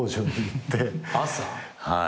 はい